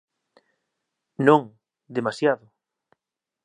Non, demasiado!